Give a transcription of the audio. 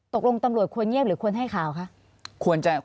ตำรวจควรเงียบหรือควรให้ข่าวคะ